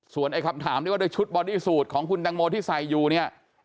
ส่วนไอ้คำถามที่ว่าด้วยชุดบอดี้สูตรของคุณตังโมที่ใส่อยู่เนี่ย